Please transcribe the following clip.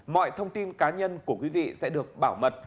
mọi thông tin cá nhân của quý vị sẽ được bảo mật